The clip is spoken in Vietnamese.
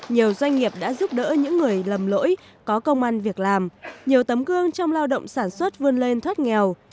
nhiều doanh nghiệp đã giúp đỡ những người lầm lỗi có công an việc làm nhiều tấm gương trong lao động sản xuất vươn lên thoát nghèo